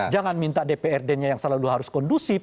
jangan minta dprd nya yang selalu harus kondusif